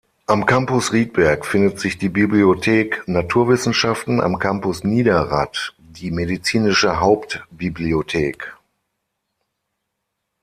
Am Campus Riedberg findet sich die Bibliothek Naturwissenschaften, am Campus Niederrad die Medizinische Hauptbibliothek.